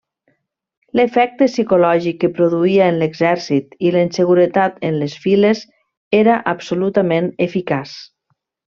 L'efecte psicològic que produïa en l'exèrcit i la inseguretat en les files era absolutament eficaç.